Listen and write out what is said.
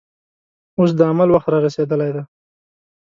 اوس د عمل وخت رارسېدلی دی.